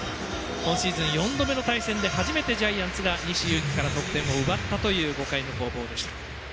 今シーズン、４度目の対戦で初めて、ジャイアンツが西勇輝から得点を奪ったという５回の攻防でした。